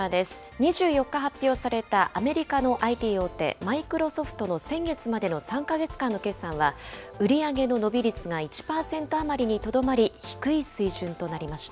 ２４日発表されたアメリカのＩＴ大手、マイクロソフトの先月までの３か月間の決算は、売り上げの伸び率が１％余りにとどまり、低い水準となりました。